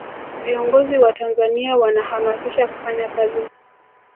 viongozi wa tanzania wanahamasisha kufanya kazi